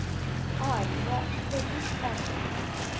I 'm not taking any.